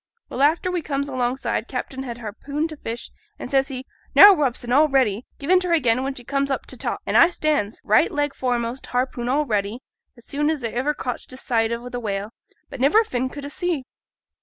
Well, afore we comes alongside, captain had harpooned t' fish; an' says he, "Now, Robson, all ready! give into her again when she comes to t' top;" an' I stands up, right leg foremost, harpoon all ready, as soon as iver I cotched a sight o' t' whale, but niver a fin could a see.